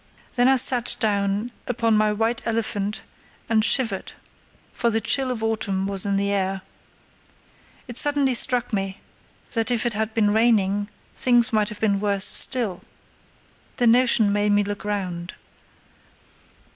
Then I sat down upon my white elephant and shivered, for the chill of autumn was in the air. It suddenly struck me that if it had been raining things might have been worse still. The notion made me look round.